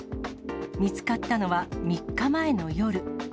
見つかったのは３日前の夜。